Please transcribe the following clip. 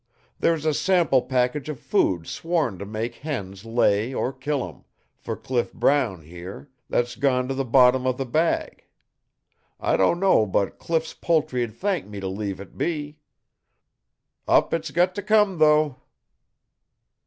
There's a sample package of food sworn to make hens lay or kill 'em, for Cliff Brown here, that's gone to the bottom of the bag. I don't know but Cliff's poultry'd thank me to leave it be! Up it's got to come, though!"